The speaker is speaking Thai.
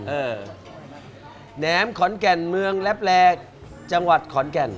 แหนมขอนแก่นเมืองแลบแลจังหวัดขอนแก่น